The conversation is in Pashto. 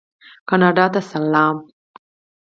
کاناډا ته سلام.